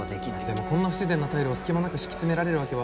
でもこんな不自然なタイルを隙間なく敷き詰められるわけは